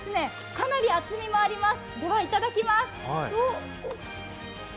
かなり厚みもあります。